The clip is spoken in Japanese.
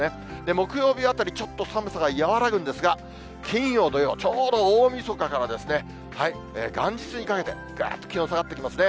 木曜日あたり、ちょっと寒さが和らぐんですが、金曜、土曜、ちょうど大みそかから元日にかけて、ぐっと気温下がってきますね。